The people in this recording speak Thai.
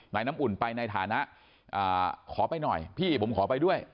น้ำอุ่นไปในฐานะขอไปหน่อยพี่ผมขอไปด้วย